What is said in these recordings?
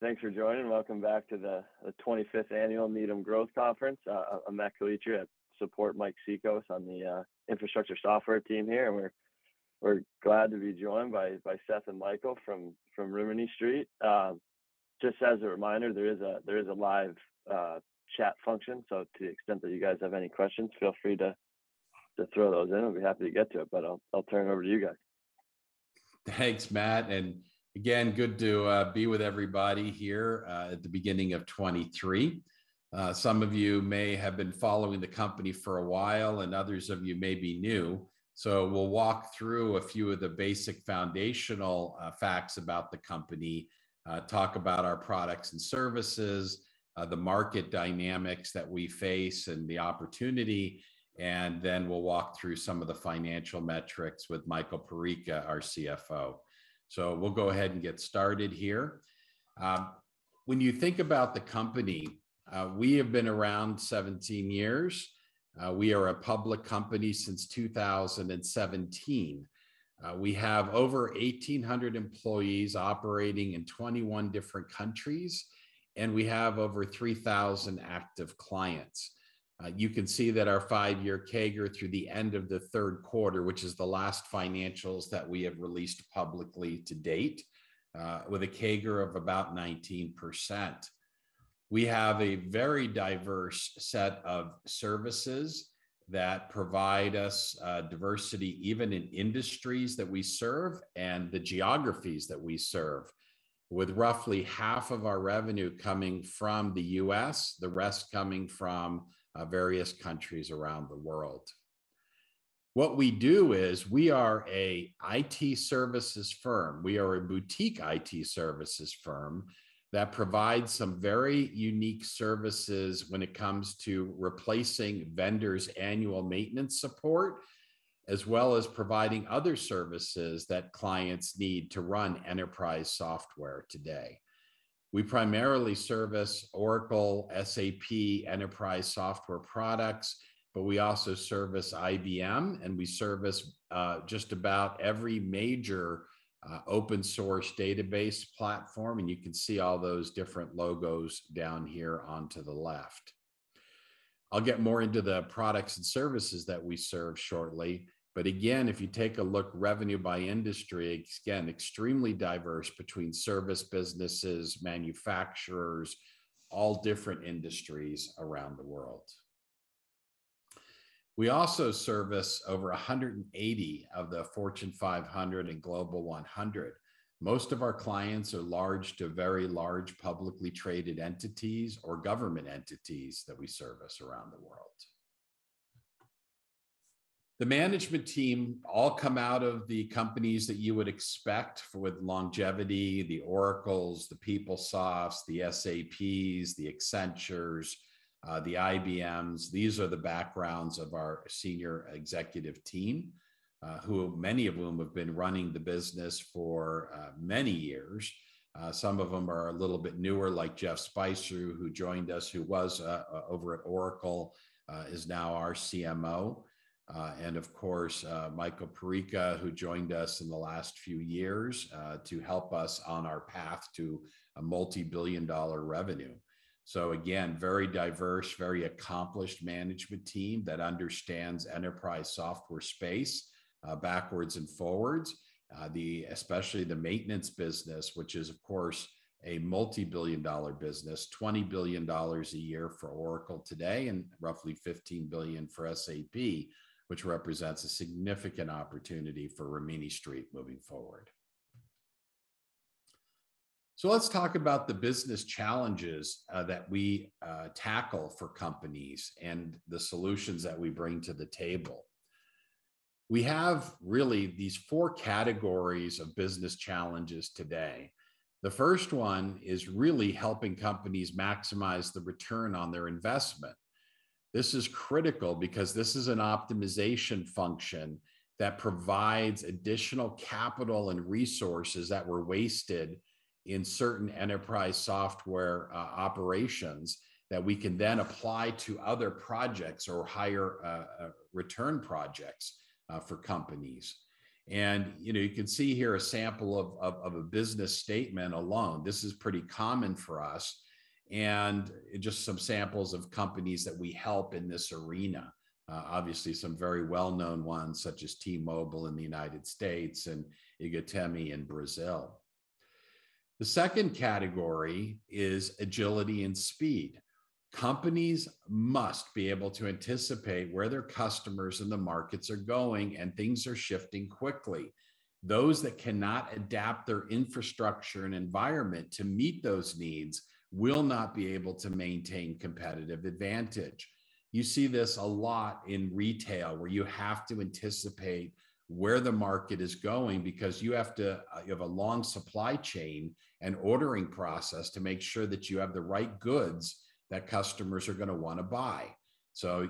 Thanks for joining. Welcome back to the 25th annual Needham Growth Conference. I'm Matt Calitri. I support Mike Cikos on the infrastructure software team here. We're glad to be joined by Seth and Michael from Rimini Street. Just as a reminder, there is a live chat function, so to the extent that you guys have any questions, feel free to throw those in. I'll be happy to get to it, I'll turn it over to you guys. Thanks, Matt, and again, good to be with everybody here at the beginning of 2023. Some of you may have been following the company for a while, and others of you may be new. We'll walk through a few of the basic foundational facts about the company, talk about our products and services, the market dynamics that we face and the opportunity, and then we'll walk through some of the financial metrics with Michael Perica, our CFO. We'll go ahead and get started here. When you think about the company, we have been around 17 years. We are a public company since 2017. We have over 1,800 employees operating in 21 different countries, and we have over 3,000 active clients. You can see that our five-year CAGR through the end of the Q3, which is the last financials that we have released publicly to date, with a CAGR of about 19%. We have a very diverse set of services that provide us, diversity even in industries that we serve and the geographies that we serve, with roughly half of our revenue coming from the U.S., the rest coming from, various countries around the world. What we do is we are an IT services firm. We are a boutique IT services firm that provides some very unique services when it comes to replacing vendors' annual maintenance support, as well as providing other services that clients need to run enterprise software today. We primarily service Oracle, SAP enterprise software products, but we also service IBM, and we service just about every major open source database platform, and you can see all those different logos down here onto the left. I'll get more into the products and services that we serve shortly. Again, if you take a look revenue by industry, again, extremely diverse between service businesses, manufacturers, all different industries around the world. We also service over 180 of the Fortune 500 and Global 100. Most of our clients are large to very large publicly traded entities or government entities that we service around the world. The management team all come out of the companies that you would expect with longevity, the Oracles, the PeopleSofts, the SAPs, the Accentures, the IBMs. These are the backgrounds of our senior executive team, who many of whom have been running the business for many years. Some of them are a little bit newer, like Jeff Spicer, who joined us, who was over at Oracle, is now our CMO. Of course, Michael Perica, who joined us in the last few years, to help us on our path to a multi-billion dollar revenue. Again, very diverse, very accomplished management team that understands enterprise software space, backwards and forwards. The, especially the maintenance business, which is of course a multi-billion dollar business, $20 billion a year for Oracle today and roughly $15 billion for SAP, which represents a significant opportunity for Rimini Street moving forward. Let's talk about the business challenges that we tackle for companies and the solutions that we bring to the table. We have really these four categories of business challenges today. The first one is really helping companies maximize the return on their investment. This is critical because this is an optimization function that provides additional capital and resources that were wasted in certain enterprise software operations that we can then apply to other projects or higher return projects for companies. You know, you can see here a sample of a business statement alone. This is pretty common for us, and just some samples of companies that we help in this arena. Obviously some very well-known ones such as T-Mobile in the United States and Iguatemi in Brazil. The second category is agility and speed. Companies must be able to anticipate where their customers and the markets are going, and things are shifting quickly. Those that cannot adapt their infrastructure and environment to meet those needs will not be able to maintain competitive advantage. You see this a lot in retail, where you have to anticipate where the market is going because you have to, you have a long supply chain and ordering process to make sure that you have the right goods that customers are gonna wanna buy.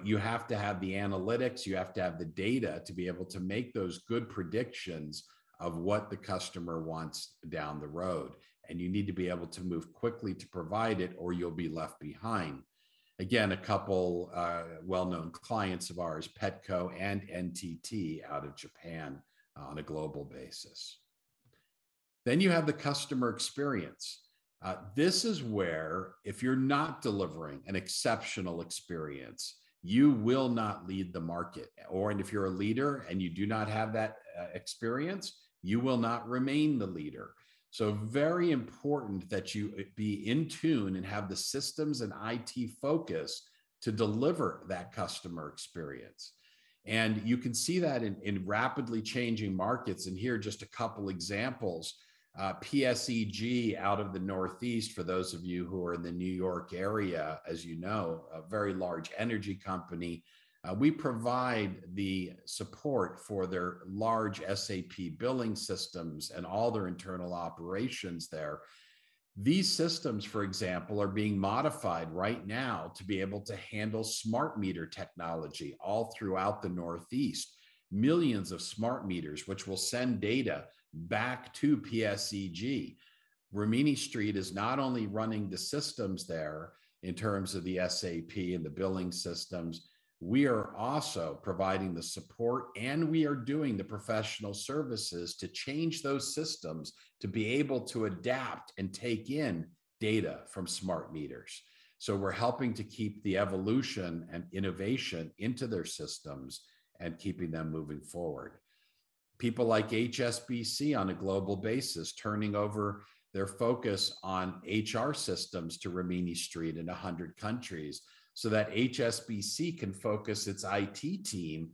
You have to have the analytics, you have to have the data to be able to make those good predictions of what the customer wants down the road. You need to be able to move quickly to provide it or you'll be left behind. Again, a couple, well-known clients of ours, Petco and NTT out of Japan, on a global basis. You have the customer experience. This is where if you're not delivering an exceptional experience, you will not lead the market. And if you're a leader and you do not have that experience, you will not remain the leader. Very important that you be in tune and have the systems and IT focus to deliver that customer experience. You can see that in rapidly changing markets, and here are just a couple examples. PSEG out of the Northeast, for those of you who are in the New York area, as you know, a very large energy company. We provide the support for their large SAP billing systems and all their internal operations there. These systems, for example, are being modified right now to be able to handle smart meter technology all throughout the Northeast, millions of smart meters which will send data back to PSEG. Rimini Street is not only running the systems there in terms of the SAP and the billing systems, we are also providing the support, and we are doing the professional services to change those systems to be able to adapt and take in data from smart meters. We're helping to keep the evolution and innovation into their systems and keeping them moving forward. People like HSBC on a global basis, turning over their focus on HR systems to Rimini Street in 100 countries so that HSBC can focus its IT team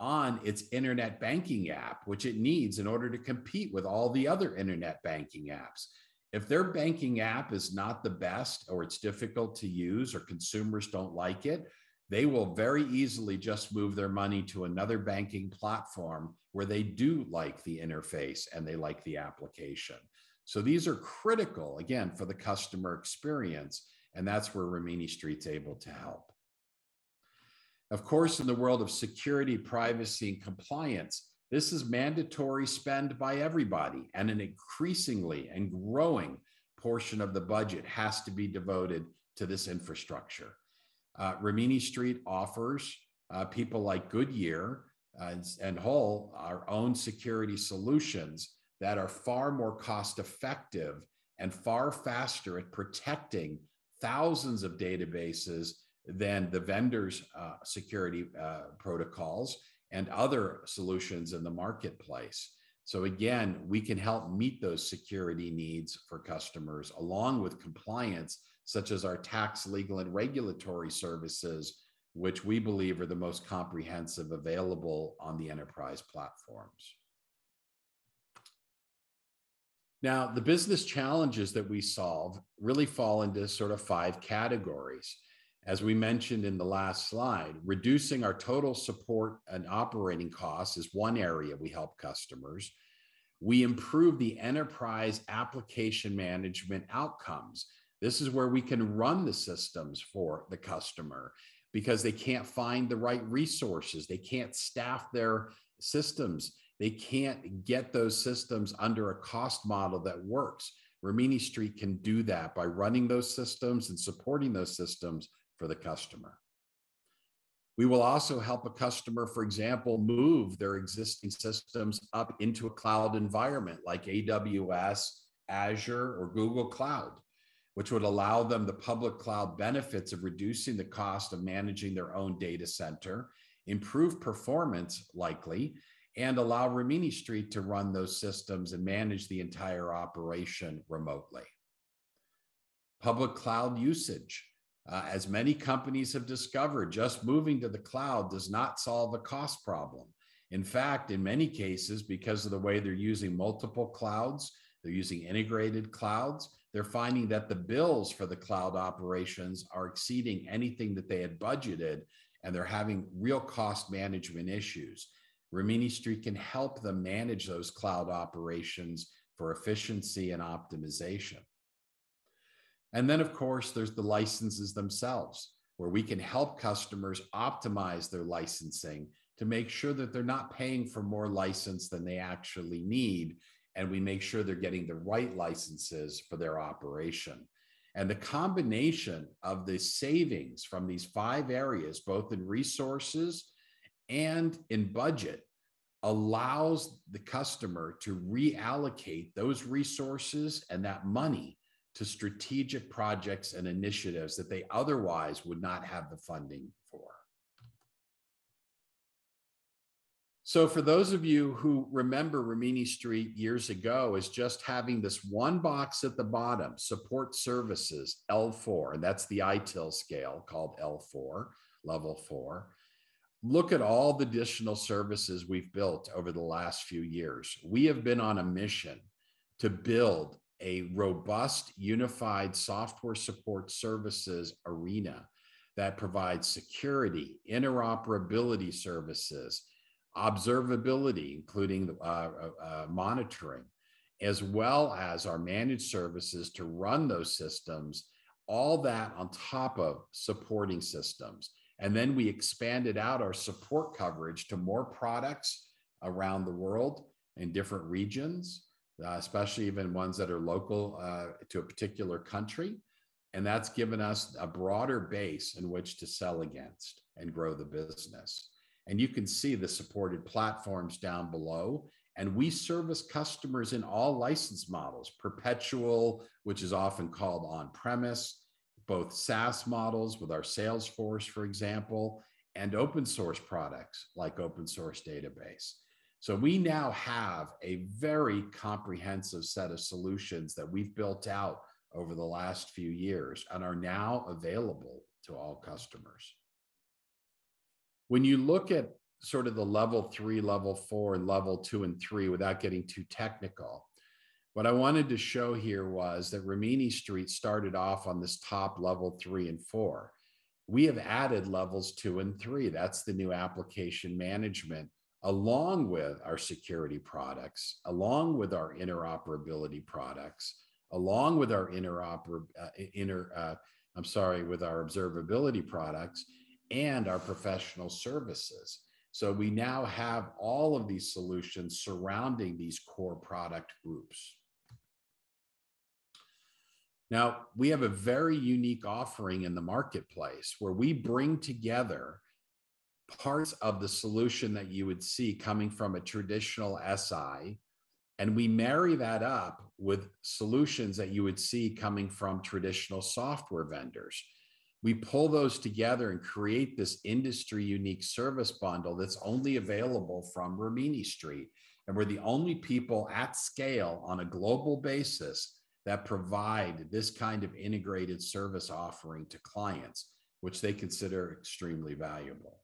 on its internet banking app, which it needs in order to compete with all the other internet banking apps. If their banking app is not the best or it's difficult to use or consumers don't like it, they will very easily just move their money to another banking platform where they do like the interface and they like the application. These are critical, again, for the customer experience, and that's where Rimini Street's able to help. In the world of security, privacy, and compliance, this is mandatory spend by everybody, and an increasingly and growing portion of the budget has to be devoted to this infrastructure. Rimini Street offers people like Goodyear and Hull our own security solutions that are far more cost-effective and far faster at protecting thousands of databases than the vendors' security protocols and other solutions in the marketplace. Again, we can help meet those security needs for customers, along with compliance, such as our tax, legal, and regulatory services, which we believe are the most comprehensive available on the enterprise platforms. The business challenges that we solve really fall into sort of five categories. As we mentioned in the last slide, reducing our total support and operating costs is one area we help customers. We improve the enterprise application management outcomes. This is where we can run the systems for the customer because they can't find the right resources, they can't staff their systems, they can't get those systems under a cost model that works. Rimini Street can do that by running those systems and supporting those systems for the customer. We will also help a customer, for example, move their existing systems up into a cloud environment like AWS, Azure, or Google Cloud, which would allow them the public cloud benefits of reducing the cost of managing their own data center, improve performance likely, and allow Rimini Street to run those systems and manage the entire operation remotely. Public cloud usage. As many companies have discovered, just moving to the cloud does not solve a cost problem. In fact, in many cases, because of the way they're using multiple clouds, they're using integrated clouds, they're finding that the bills for the cloud operations are exceeding anything that they had budgeted, and they're having real cost management issues. Rimini Street can help them manage those cloud operations for efficiency and optimization. Of course, there's the licenses themselves, where we can help customers optimize their licensing to make sure that they're not paying for more license than they actually need, and we make sure they're getting the right licenses for their operation. The combination of the savings from these 5 areas, both in resources and in budget, allows the customer to reallocate those resources and that money to strategic projects and initiatives that they otherwise would not have the funding for. For those of you who remember Rimini Street years ago as just having this one box at the bottom, Support Services L4, and that's the ITIL scale, called L4, Level four, look at all the additional services we've built over the last few years. We have been on a mission to build a robust, unified software support services arena that provides security, interoperability services, observability, including the monitoring, as well as our managed services to run those systems, all that on top of supporting systems. Then we expanded out our support coverage to more products around the world in different regions, especially even ones that are local to a particular country, and that's given us a broader base in which to sell against and grow the business. You can see the supported platforms down below. We service customers in all license models, perpetual, which is often called on-premise, both SaaS models with our Salesforce, for example, and open source products like open source database. We now have a very comprehensive set of solutions that we've built out over the last few years and are now available to all customers. When you look at sort of the Level three, Level four, and Level two and three without getting too technical, what I wanted to show here was that Rimini Street started off on this top Level three and four. We have added Level two and three. That's the new application management, along with our security products, along with our interoperability products, along with our observability products, and our professional services. We now have all of these solutions surrounding these core product groups. We have a very unique offering in the marketplace where we bring together parts of the solution that you would see coming from a traditional SI, and we marry that up with solutions that you would see coming from traditional software vendors. We pull those together and create this industry-unique service bundle that's only available from Rimini Street, and we're the only people at scale on a global basis that provide this kind of integrated service offering to clients, which they consider extremely valuable.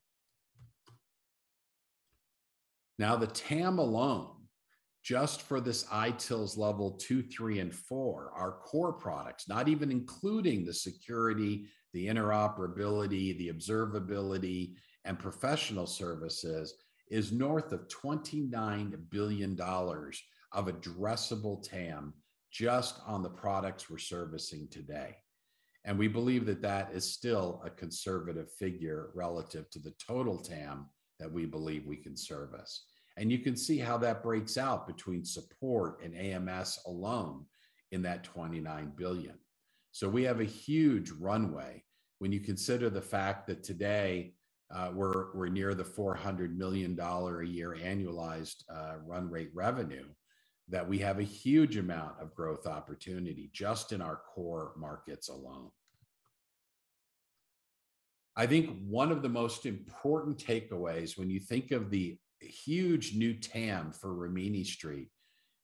The TAM alone, just for this ITILs Level two, three, and four, our core products, not even including the security, the interoperability, the observability, and professional services, is north of $29 billion of addressable TAM just on the products we're servicing today. We believe that that is still a conservative figure relative to the total TAM that we believe we can service. You can see how that breaks out between support and AMS alone in that $29 billion. We have a huge runway when you consider the fact that today, we're near the $400 million a year annualized run rate revenue, that we have a huge amount of growth opportunity just in our core markets alone. I think one of the most important takeaways when you think of the huge new TAM for Rimini Street,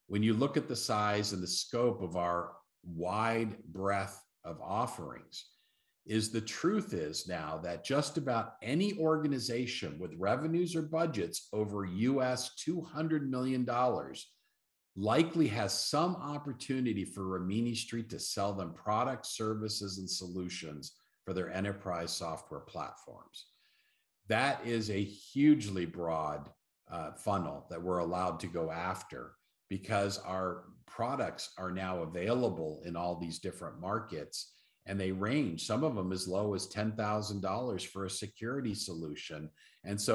when you look at the size and the scope of our wide breadth of offerings, is the truth is now that just about any organization with revenues or budgets over $200 million likely has some opportunity for Rimini Street to sell them products, services, and solutions for their enterprise software platforms. That is a hugely broad funnel that we're allowed to go after because our products are now available in all these different markets, and they range, some of them as low as $10,000 for a security solution.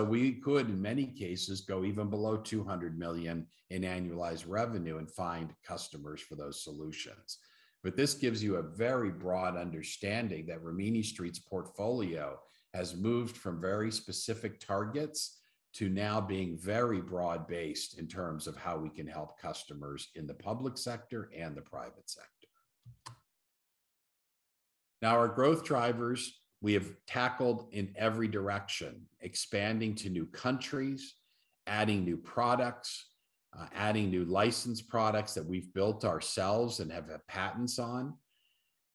We could, in many cases, go even below $200 million in annualized revenue and find customers for those solutions. This gives you a very broad understanding that Rimini Street's portfolio has moved from very specific targets to now being very broad-based in terms of how we can help customers in the public sector and the private sector. Our growth drivers, we have tackled in every direction, expanding to new countries, adding new products, adding new licensed products that we've built ourselves and have patents on,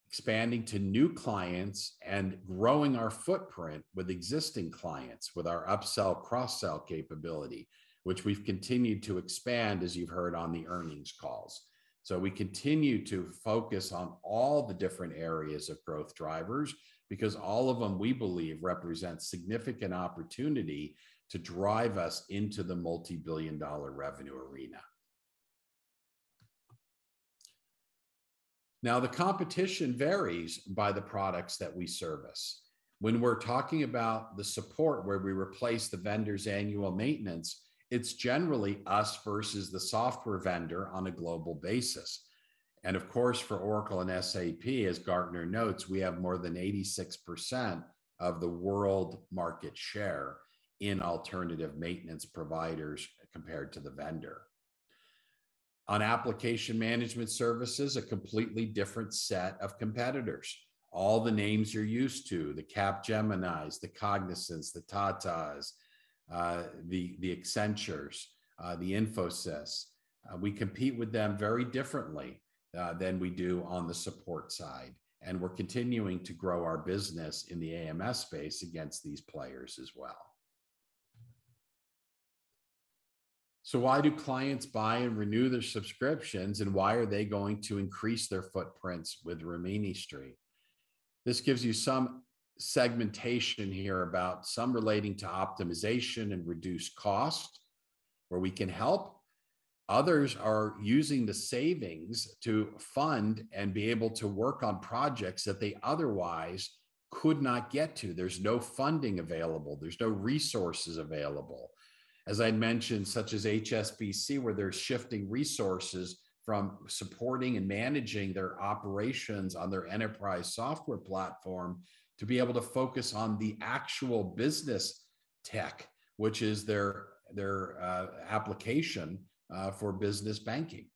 expanding to new clients, and growing our footprint with existing clients with our upsell, cross-sell capability, which we've continued to expand as you've heard on the earnings calls. We continue to focus on all the different areas of growth drivers because all of them, we believe, represent significant opportunity to drive us into the multi-billion dollar revenue arena. The competition varies by the products that we service. When we're talking about the support where we replace the vendor's annual maintenance, it's generally us versus the software vendor on a global basis. Of course, for Oracle and SAP, as Gartner notes, we have more than 86% of the world market share in alternative maintenance providers compared to the vendor. On Application Management Services, a completely different set of competitors. All the names you're used to, the Capgeminis, the Cognizants, the Tatas, the Accentures, the Infosys. We compete with them very differently than we do on the support side, and we're continuing to grow our business in the AMS space against these players as well. Why do clients buy and renew their subscriptions, and why are they going to increase their footprints with Rimini Street? This gives you some segmentation here about some relating to optimization and reduced cost where we can help. Others are using the savings to fund and be able to work on projects that they otherwise could not get to. There's no funding available. There's no resources available. As I mentioned, such as HSBC, where they're shifting resources from supporting and managing their operations on their enterprise software platform to be able to focus on the actual business tech, which is their application for business banking.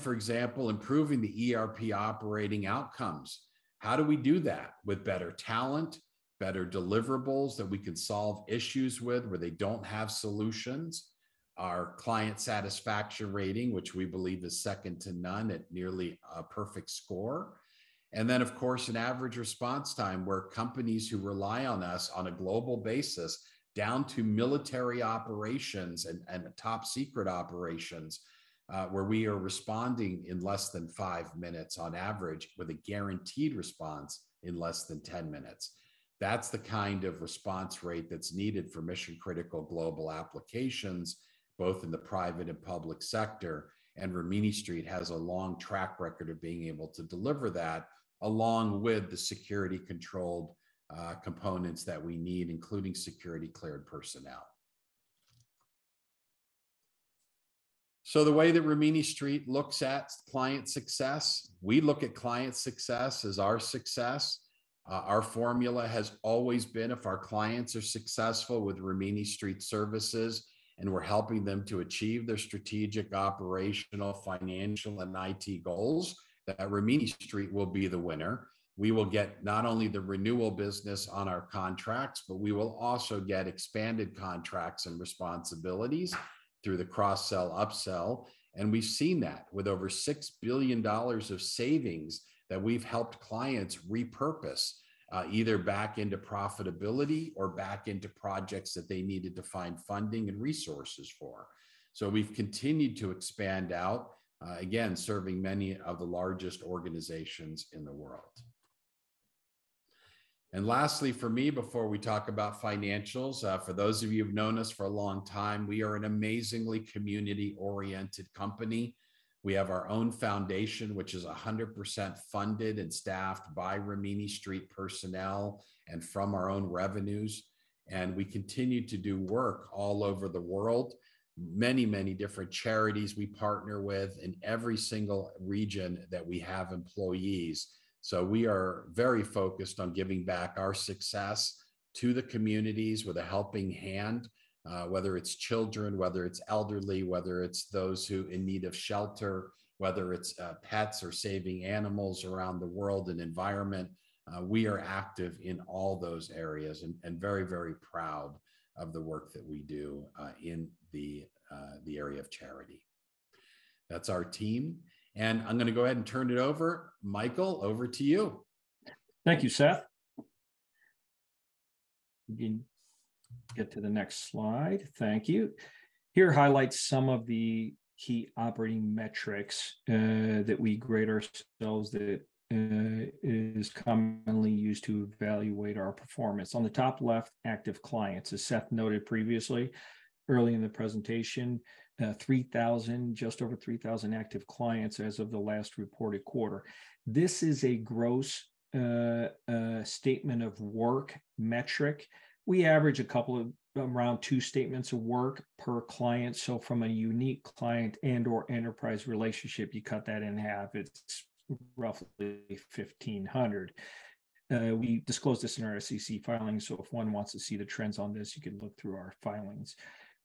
For example, improving the ERP operating outcomes. How do we do that? With better talent, better deliverables that we can solve issues with where they don't have solutions. Our client satisfaction rating, which we believe is second to none at nearly a perfect score. Of course, an average response time where companies who rely on us on a global basis, down to military operations and top secret operations, where we are responding in less than five minutes on average with a guaranteed response in less than 10 minutes. That's the kind of response rate that's needed for mission-critical global applications, both in the private and public sector. Rimini Street has a long track record of being able to deliver that along with the security-controlled components that we need, including security-cleared personnel. The way that Rimini Street looks at client success, we look at client success as our success. Our formula has always been if our clients are successful with Rimini Street services and we're helping them to achieve their strategic, operational, financial, and IT goals, that Rimini Street will be the winner. We will get not only the renewal business on our contracts, but we will also get expanded contracts and responsibilities through the cross-sell, upsell, and we've seen that with over $6 billion of savings that we've helped clients repurpose, either back into profitability or back into projects that they needed to find funding and resources for. We've continued to expand out, again, serving many of the largest organizations in the world. Lastly from me before we talk about financials, for those of you who've known us for a long time, we are an amazingly community-oriented company. We have our own foundation, which is 100% funded and staffed by Rimini Street personnel and from our own revenues, and we continue to do work all over the world. Many, many different charities we partner with in every single region that we have employees. We are very focused on giving back our success to the communities with a helping hand, whether it's children, whether it's elderly, whether it's those who are in need of shelter, whether it's pets or saving animals around the world and environment. We are active in all those areas and very, very proud of the work that we do in the area of charity. That's our team, and I'm gonna go ahead and turn it over. Michael, over to you. Thank you, Seth. We can get to the next slide. Thank you. Here highlights some of the key operating metrics that we grade ourselves that is commonly used to evaluate our performance. On the top left, active clients. As Seth noted previously early in the presentation, just over 3,000 active clients as of the last reported quarter. This is a gross statement of work metric. We average around two statements of work per client, so from a unique client and/or enterprise relationship, you cut that in half. It's roughly 1,500. We disclose this in our SEC filing, so if one wants to see the trends on this, you can look through our filings.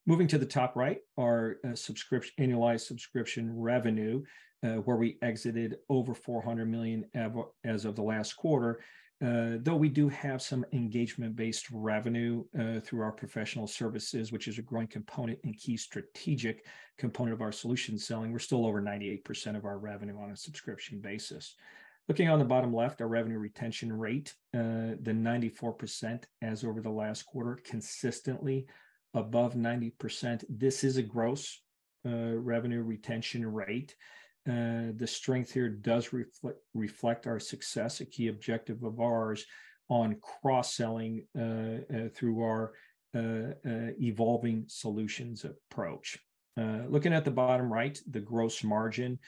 Moving to the top right, our annualized subscription revenue, where we exited over $400 million as of the last quarter. Though we do have some engagement-based revenue, through our professional services, which is a growing component and key strategic component of our solution selling, we're still over 98% of our revenue on a subscription basis. Looking on the bottom left, our revenue retention rate, the 94% as over the last quarter, consistently above 90%. This is a gross revenue retention rate. The strength here does reflect our success, a key objective of ours on cross-selling, through our evolving solutions approach. Looking at the bottom right, the gross margin.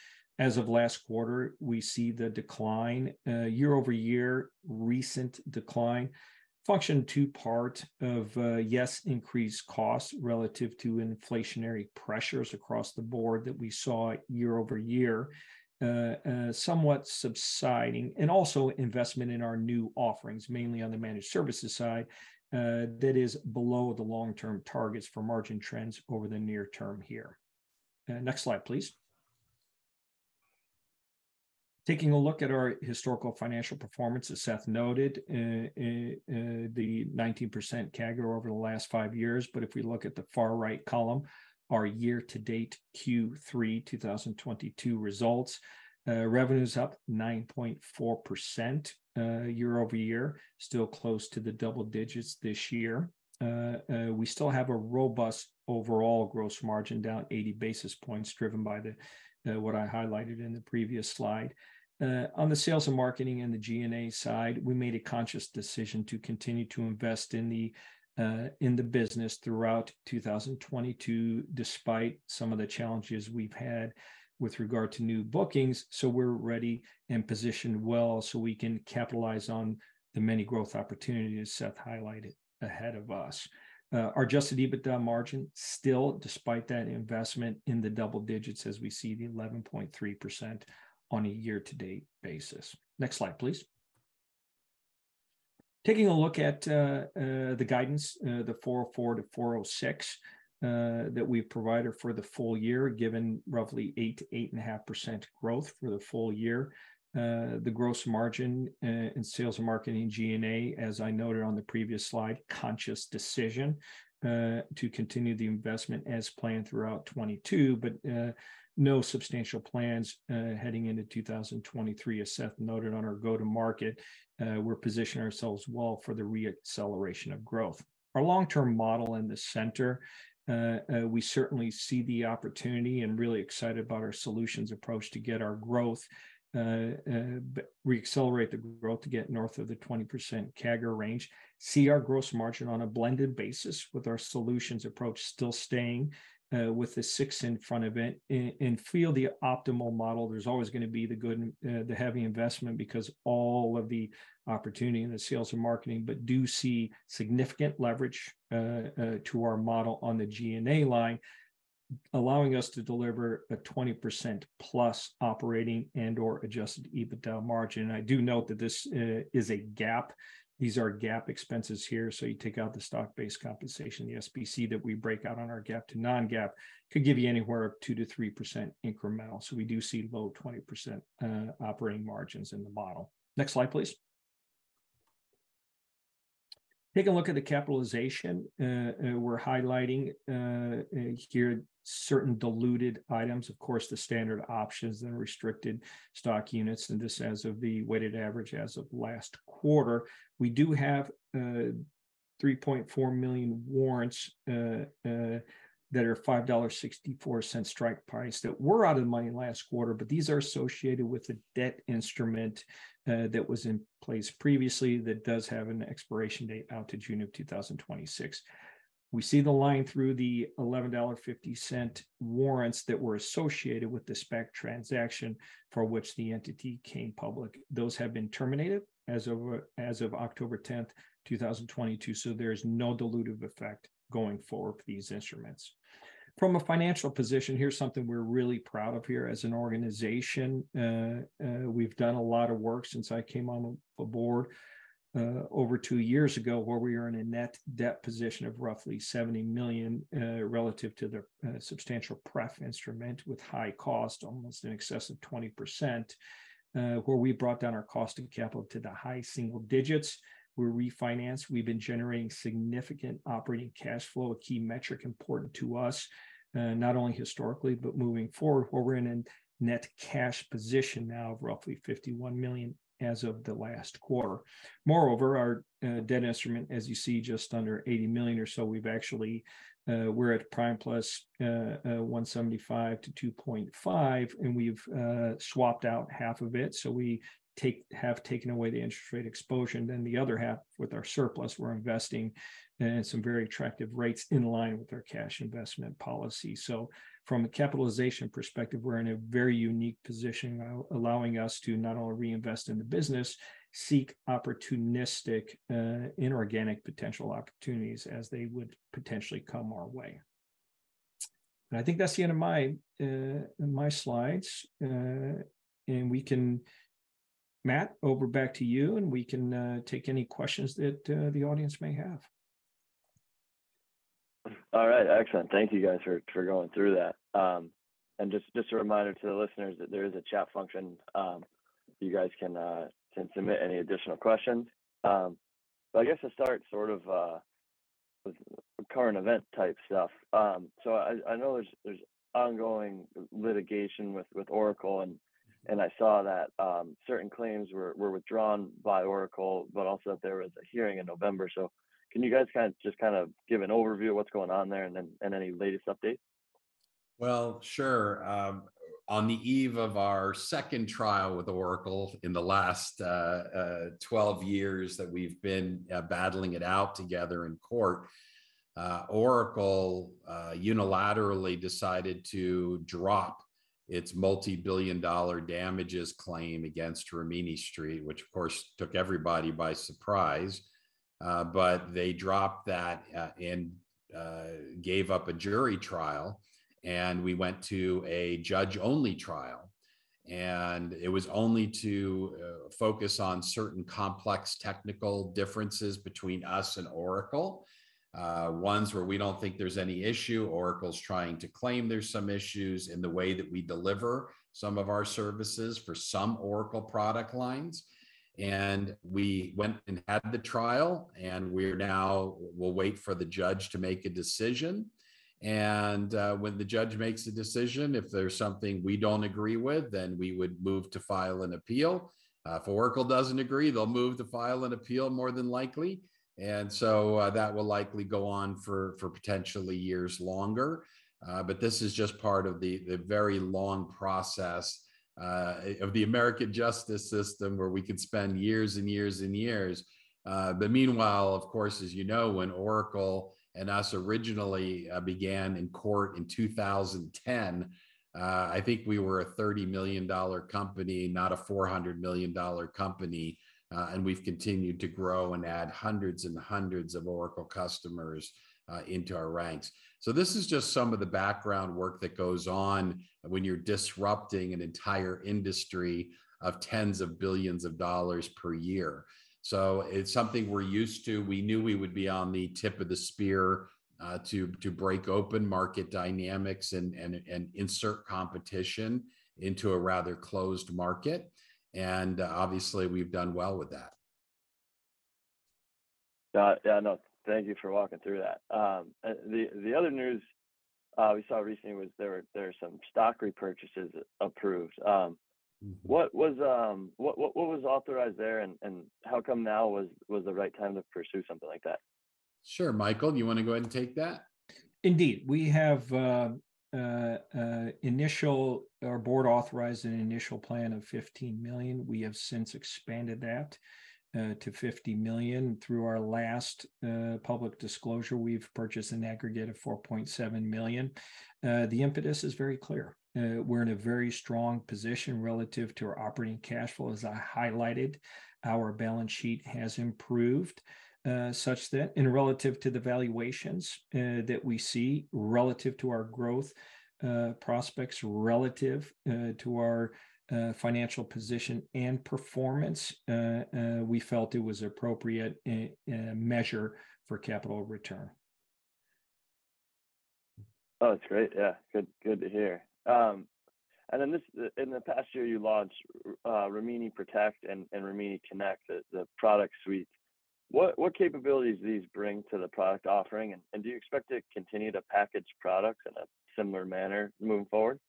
As of last quarter, we see the decline, year-over-year, recent decline. Function two part of, yes, increased costs relative to inflationary pressures across the board that we saw year-over-year, somewhat subsiding, and also investment in our new offerings, mainly on the managed services side, that is below the long-term targets for margin trends over the near term here. Next slide, please. Taking a look at our historical financial performance, as Seth noted, the 19% CAGR over the last five years. If we look at the far right column, our year-to-date Q3 2022 results, revenue's up 9.4% year-over-year. Still close to the double digits this year. We still have a robust overall gross margin, down 80 basis points, driven by the what I highlighted in the previous slide. On the sales and marketing and the G&A side, we made a conscious decision to continue to invest in the business throughout 2022, despite some of the challenges we've had with regard to new bookings. We're ready and positioned well so we can capitalize on the many growth opportunities Seth highlighted ahead of us. Our adjusted EBITDA margin still, despite that investment, in the double digits as we see the 11.3% on a year-to-date basis. Next slide, please. Taking a look at the guidance, the $404 million-$406 million that we provided for the full year given roughly 8%-8.5% growth for the full year. The gross margin in sales and marketing G&A, as I noted on the previous slide, conscious decision to continue the investment as planned throughout 2022. No substantial plans heading into 2023, as Seth noted on our go-to-market, we're positioning ourselves well for the reacceleration of growth. Our long-term model in the center, we certainly see the opportunity and really excited about our solutions approach to get our growth reaccelerate the growth to get north of the 20% CAGR range. See our gross margin on a blended basis with our solutions approach still staying with the six in front of it. Feel the optimal model, there's always gonna be the good and the heavy investment because all of the opportunity in the sales and marketing, do see significant leverage to our model on the G&A line, allowing us to deliver a 20%+ operating and/or adjusted EBITDA margin. I do note that this is a GAAP. These are GAAP expenses here, you take out the stock-based compensation, the SBC that we break out on our GAAP to non-GAAP could give you anywhere 2%-3% incremental. We do see about 20% operating margins in the model. Next slide, please. Take a look at the capitalization. We're highlighting here certain diluted items. Of course, the standard options and restricted stock units, this as of the weighted average as of last quarter. We do have 3.4 million warrants that are $5.64 strike price that were out of the money last quarter, but these are associated with the debt instrument that was in place previously that does have an expiration date out to June 2026. We see the line through the $11.50 warrants that were associated with the SPAC transaction for which the entity came public. Those have been terminated as of October 10th, 2022, so there is no dilutive effect going forward for these instruments. From a financial position, here's something we're really proud of here as an organization. We've done a lot of work since I came aboard over two years ago, where we are in a net debt position of roughly $70 million relative to the substantial pref instrument with high cost, almost in excess of 20%, where we brought down our cost of capital to the high single digits. We refinanced. We've been generating significant operating cash flow, a key metric important to us, not only historically, but moving forward, where we're in a net cash position now of roughly $51 million as of the last quarter. Moreover, our debt instrument, as you see, just under $80 million or so, we're actually we're at prime plus 1.75-2.5, and we've swapped out half of it. We have taken away the interest rate exposure, and then the other half with our surplus, we're investing at some very attractive rates in line with our cash investment policy. From a capitalization perspective, we're in a very unique position, allowing us to not only reinvest in the business, seek opportunistic, inorganic potential opportunities as they would potentially come our way. I think that's the end of my slides. Matt, over back to you, and we can take any questions that the audience may have. All right. Excellent. Thank you guys for going through that. Just a reminder to the listeners that there is a chat function, you guys can submit any additional questions. I guess to start sort of with current event type stuff, I know there's ongoing litigation with Oracle, and I saw that certain claims were withdrawn by Oracle, but also that there was a hearing in November. Can you guys just kind of give an overview of what's going on there and then any latest updates? Well, sure. On the eve of our second trial with Oracle in the last 12 years that we've been battling it out together in court, Oracle unilaterally decided to drop its multi-billion dollar damages claim against Rimini Street, which of course, took everybody by surprise. They dropped that, and gave up a jury trial, and we went to a judge-only trial. It was only to focus on certain complex technical differences between us and Oracle, ones where we don't think there's any issue. Oracle's trying to claim there's some issues in the way that we deliver some of our services for some Oracle product lines. We went and had the trial, and we'll wait for the judge to make a decision. When the judge makes a decision, if there's something we don't agree with, we would move to file an appeal. If Oracle doesn't agree, they'll move to file an appeal more than likely. That will likely go on for potentially years longer. This is just part of the very long process of the American justice system, where we could spend years and years and years. Meanwhile, of course, as you know, when Oracle and us originally began in court in 2010, I think we were a $30 million company, not a $400 million company, and we've continued to grow and add hundreds and hundreds of Oracle customers into our ranks. This is just some of the background work that goes on when you're disrupting an entire industry of tens of billions of dollars per year. It's something we're used to. We knew we would be on the tip of the spear, to break open market dynamics and insert competition into a rather closed market. Obviously, we've done well with that. Yeah, no, thank you for walking through that. The other news we saw recently was there were some stock repurchases approved. Mm-hmm What was authorized there, and how come now was the right time to pursue something like that? Sure. Michael, do you wanna go ahead and take that? Indeed. We have our board authorized an initial plan of $15 million. We have since expanded that to $50 million. Through our last public disclosure, we've purchased an aggregate of $4.7 million. The impetus is very clear. We're in a very strong position relative to our operating cash flow. As I highlighted, our balance sheet has improved such that, and relative to the valuations that we see relative to our growth prospects, relative to our financial position and performance, we felt it was appropriate measure for capital return. Oh, that's great. Yeah. Good, good to hear. Then this in the past year you launched Rimini Protect and Rimini Connect, the product suite. What capabilities do these bring to the product offering, and do you expect to continue to package products in a similar manner moving forward?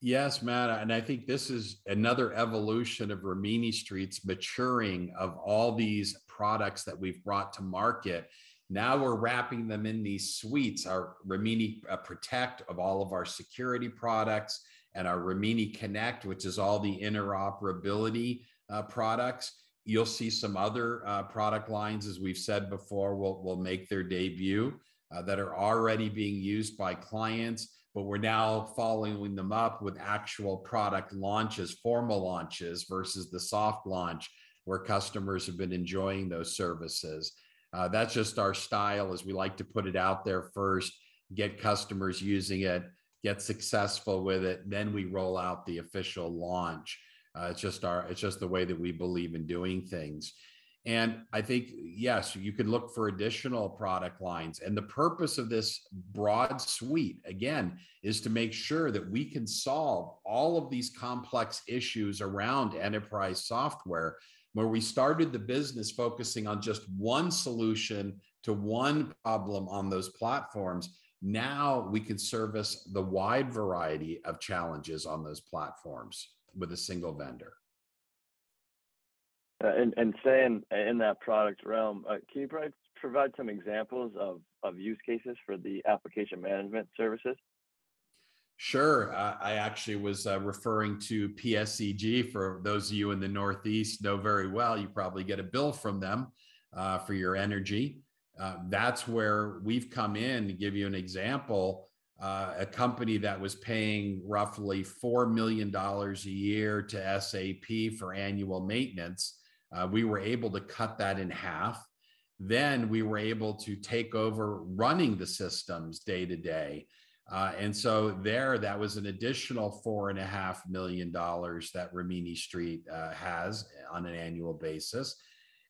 Yes, Matt, I think this is another evolution of Rimini Street's maturing of all these products that we've brought to market. Now we're wrapping them in these suites. Our Rimini Protect of all of our security products, and our Rimini Connect, which is all the interoperability products. You'll see some other product lines, as we've said before, will make their debut, that are already being used by clients, but we're now following them up with actual product launches, formal launches, versus the soft launch, where customers have been enjoying those services. That's just our style, is we like to put it out there first, get customers using it, get successful with it. Then we roll out the official launch. It's just the way that we believe in doing things. I think, yes, you could look for additional product lines. The purpose of this broad suite, again, is to make sure that we can solve all of these complex issues around enterprise software. Where we started the business focusing on just one solution to one problem on those platforms, now we can service the wide variety of challenges on those platforms with a single vendor. Can you probably provide some examples of use cases for the Application Management Services? Sure. I actually was referring to PSEG. For those of you in the northeast know very well, you probably get a bill from them for your energy. That's where we've come in. To give you an example, a company that was paying roughly $4 million a year to SAP for annual maintenance, we were able to cut that in half. Then we were able to take over running the systems day to day. There, that was an additional $4.5 million that Rimini Street has on an annual basis.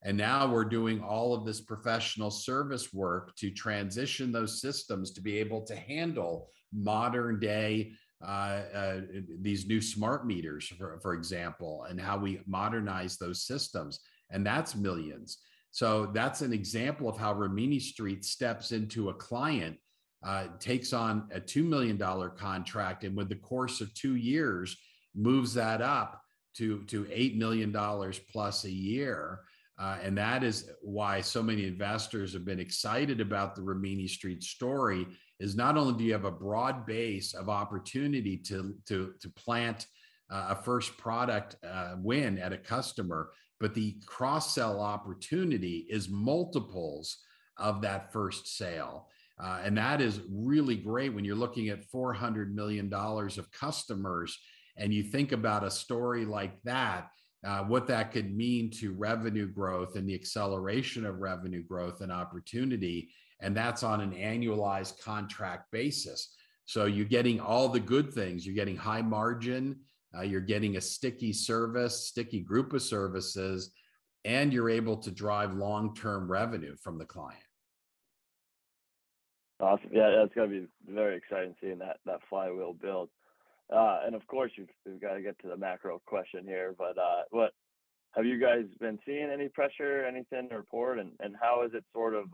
Now we're doing all of this professional service work to transition those systems to be able to handle modern day, these new smart meters, for example, and how we modernize those systems, and that's millions. That's an example of how Rimini Street steps into a client, takes on a $2 million contract, and within the course of two years, moves that up to $8 million-plus a year. That is why so many investors have been excited about the Rimini Street story, is not only do you have a broad base of opportunity to plant a first product win at a customer, but the cross-sell opportunity is multiples of that first sale. That is really great when you're looking at $400 million of customers and you think about a story like that, what that could mean to revenue growth and the acceleration of revenue growth and opportunity, and that's on an annualized contract basis. You're getting all the good things. You're getting high margin, you're getting a sticky service, sticky group of services, and you're able to drive long-term revenue from the client. Awesome. Yeah, that's gotta be very exciting seeing that flywheel build. Of course you've gotta get to the macro question here, but, what have you guys been seeing any pressure, anything to report? How has it sort of,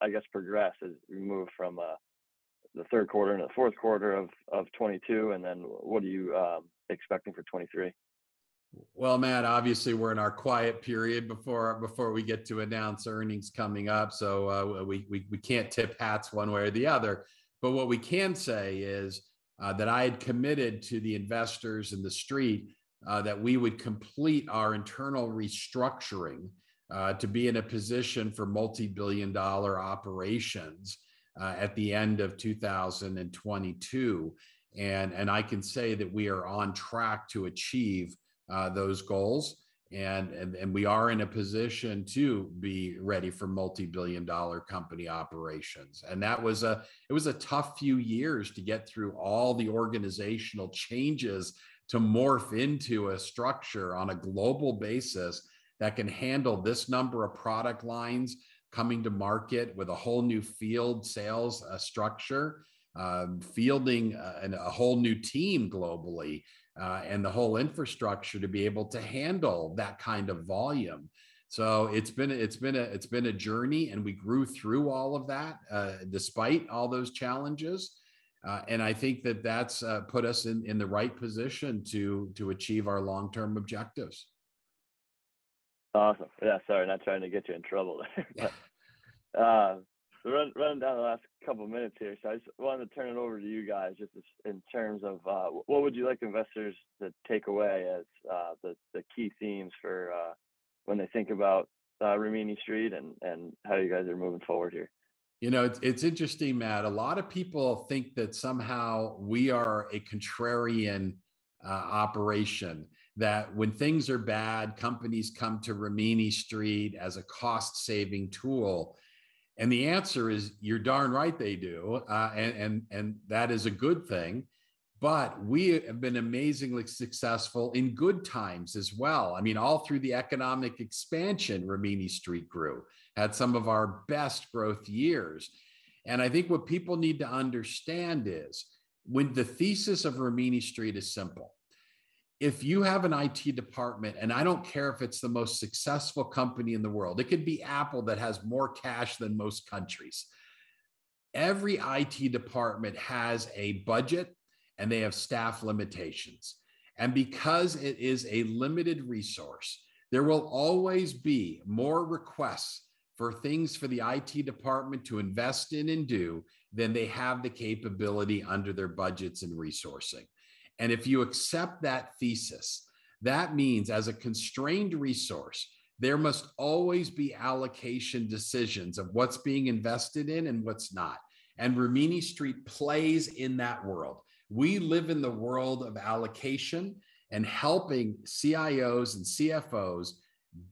I guess, progressed as we move from the Q3 into Q4 of 2022? Then what are you expecting for 2023? Well, Matt, obviously we're in our quiet period before we get to announce earnings coming up, so we can't tip hats one way or the other. What we can say is that I had committed to the investors in the Street that we would complete our internal restructuring to be in a position for multi-billion dollar operations at the end of 2022. I can say that we are on track to achieve those goals and we are in a position to be ready for multi-billion dollar company operations. It was a tough few years to get through all the organizational changes to morph into a structure on a global basis that can handle this number of product lines coming to market with a whole new field sales, structure, fielding, and a whole new team globally, and the whole infrastructure to be able to handle that kind of volume. It's been a journey, and we grew through all of that, despite all those challenges. I think that that's put us in the right position to achieve our long-term objectives. Awesome. Yeah, sorry, not trying to get you in trouble there. We're running down the last couple minutes here. I just wanted to turn it over to you guys just in terms of, what would you like investors to take away as the key themes for when they think about Rimini Street and how you guys are moving forward here? You know, it's interesting, Matt. A lot of people think that somehow we are a contrarian operation, that when things are bad, companies come to Rimini Street as a cost-saving tool, and the answer is you're darn right they do. That is a good thing, but we have been amazingly successful in good times as well. I mean, all through the economic expansion, Rimini Street grew, had some of our best growth years. I think what people need to understand is when. The thesis of Rimini Street is simple. If you have an IT department, and I don't care if it's the most successful company in the world, it could be Apple that has more cash than most countries, every IT department has a budget and they have staff limitations. Because it is a limited resource, there will always be more requests for things for the IT department to invest in and do than they have the capability under their budgets and resourcing. If you accept that thesis, that means as a constrained resource, there must always be allocation decisions of what's being invested in and what's not, and Rimini Street plays in that world. We live in the world of allocation and helping CIOs and CFOs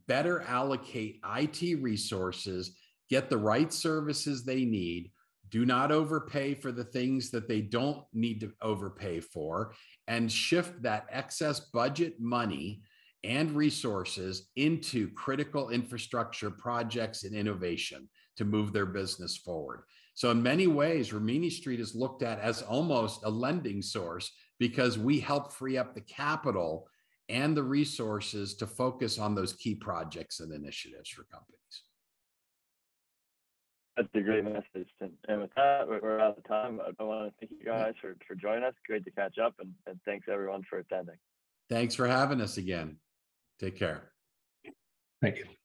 better allocate IT resources, get the right services they need, do not overpay for the things that they don't need to overpay for, and shift that excess budget money and resources into critical infrastructure projects and innovation to move their business forward. In many ways, Rimini Street is looked at as almost a lending source because we help free up the capital and the resources to focus on those key projects and initiatives for companies. That's a great message. With that, we're out of time. I wanna thank you guys for joining us. Great to catch up, and thanks everyone for attending. Thanks for having us again. Take care. Thank you.